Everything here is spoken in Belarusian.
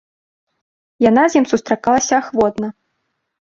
Яна з ім сустракалася ахвотна.